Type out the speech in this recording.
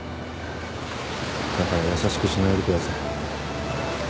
だから優しくしないでください。